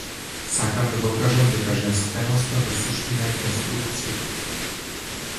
Сакав да докажам дека женственоста во суштина е конструкција.